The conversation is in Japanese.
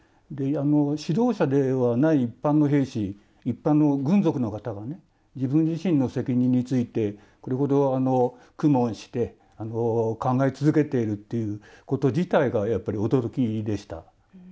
指導者ではない一般の兵士一般の軍属の方が自分自身の責任についてこれほど苦悶して考え続けているということ自体がやっぱり驚きでした。